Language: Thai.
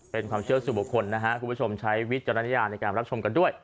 เป็นความเชื่อสู่บุคคลนะฮะคุณผู้ชมใช้วิจารณญาณในการรับชมกันด้วย